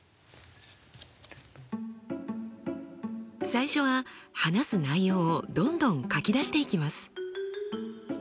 最初は話す内容をどんどん書き出していきます。